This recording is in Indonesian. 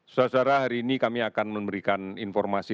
saudara saudara hari ini kami akan memberikan informasi